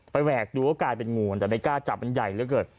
ไปแหวกว่ากลายเป็นงูแต่ไม่กล้าจับมันใหญ่เลยเกิด